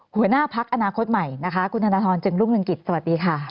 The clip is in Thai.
หัวหน้าพักอนาคตใหม่นะคะคุณธนทรจึงรุ่งเรืองกิจสวัสดีค่ะ